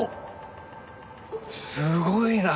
すごいな。